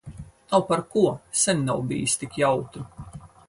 Nav par ko. Sen nav bijis tik jautri.